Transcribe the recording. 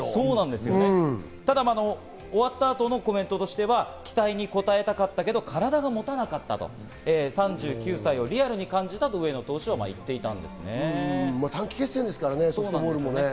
ただ終わった後のコメントとしては、期待に応えたかったけど、体がもたなかったと、３９歳をリアルに感じたと上野投手は言っていまソフトボールも短期決戦ですからね。